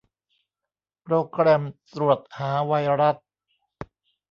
โปรแกรมตรวจหาไวรัส